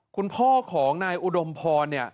คุณพ่อของนายอุดมพรเนี่ย